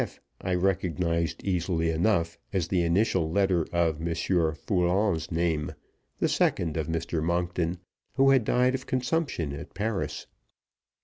I recognized easily enough as the initial letter of Monsieur Foulon's name, the second of Mr. Monkton, who had died of consumption at Paris.